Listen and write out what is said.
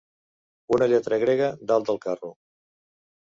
Una lletra grega dalt del carro.